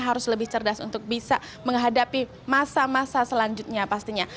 harus lebih cerdas untuk bisa menghadapi masa masa selanjutnya pastinya